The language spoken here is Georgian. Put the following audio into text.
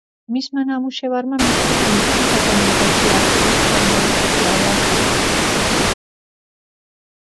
მისმა ნამუშევარმა მისცა ბიძგი საკომუნიკაციო არხების ფორმალურ შესწავლას.